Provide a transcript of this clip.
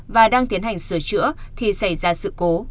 và đang tiến hành sửa chữa thì xảy ra sự cố